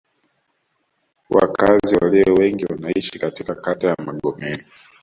Wakazi walio wengi wanaishi katika kata ya Magomeni